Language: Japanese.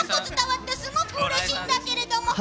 すごくうれしいんだけれども。